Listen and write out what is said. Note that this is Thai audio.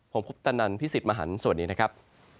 ผมพุทธนันทร์พิสิทธิ์มหันตร์สวัสดีครับ